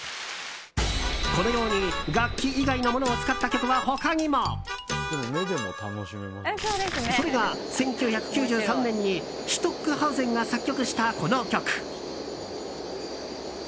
このように、楽器以外のものを使った曲は他にも。それが１９９３年にシュトックハウゼンが作曲したこの曲。